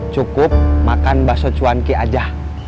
cukup makan bakso cuanki aja